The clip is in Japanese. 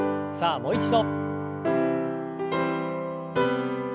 さあもう一度。